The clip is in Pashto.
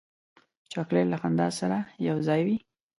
چاکلېټ له خندا سره یو ځای وي.